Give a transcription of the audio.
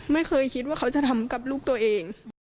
ไม่เคยคิดว่าเขาจะทำกับลูกตัวเอง